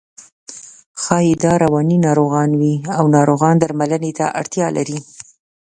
ښایي دا رواني ناروغان وي او ناروغ درملنې ته اړتیا لري.